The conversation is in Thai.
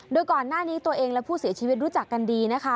โดยก่อนหน้านี้ตัวเองและผู้เสียชีวิตรู้จักกันดีนะคะ